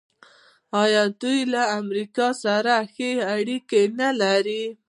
آیا دوی له امریکا سره ښې اړیکې نلري؟